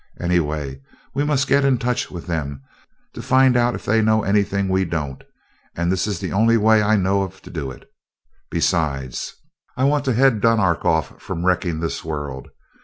Anyway, we must get in touch with them, to find out if they know anything we don't, and this is the only way I know of to do it. Besides, I want to head Dunark off from wrecking this world.